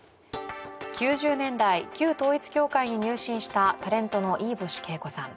９０年代、旧統一教会に入信したタレントの飯星景子さん。